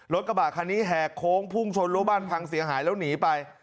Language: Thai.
รถกระบะคันนี้แหกโค้งพุ่งชนรัวบ้านพังเสียหายแล้วหนีไป